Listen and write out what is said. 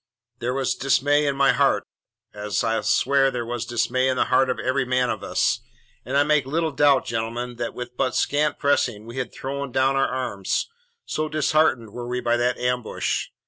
There was dismay in my heart, as I'll swear there was dismay in the heart of every man of us, and I make little doubt, gentlemen, that with but scant pressing we had thrown down our arms, so disheartened were we by that ambush.